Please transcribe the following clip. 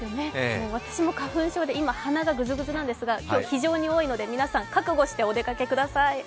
私も花粉症で今、鼻がグズグズなんですが、今日、非常に多いので皆さん、覚悟してお出かけください。